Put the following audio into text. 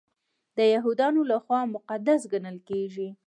د یهودانو لخوا مقدس ګڼل کیږي.